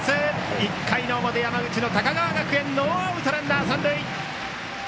１回の表山口の高川学園ノーアウトランナー、三塁！